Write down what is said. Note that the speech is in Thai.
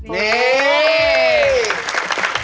นี่